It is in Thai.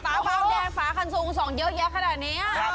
เบาแดงฝาคันทรงส่องเยอะแยะขนาดนี้